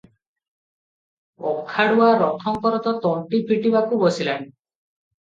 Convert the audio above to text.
ଅଖାଡୁଆ! "ରଥଙ୍କର ତ ଅଣ୍ଟି ଫିଟିବାକୁ ବସିଲାଣି ।